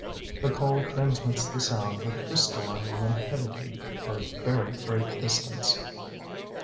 The coal transmits the sound with crystalline limpidity for a very great distance.